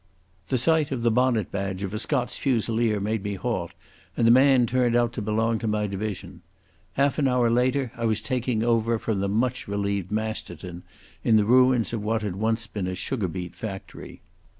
The sight of the bonnet badge of a Scots Fusilier made me halt, and the man turned out to belong to my division. Half an hour later I was taking over from the much relieved Masterton in the ruins of what had once been a sugar beet factory.